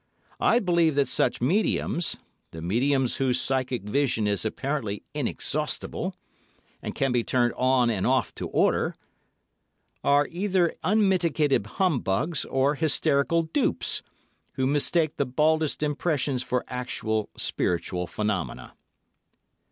I believe that such mediums—the mediums whose psychic vision is apparently inexhaustible, and can be turned on and off to order—are either unmitigated humbugs or hysterical dupes, who mistake the baldest impressions for actual spiritual phenomena.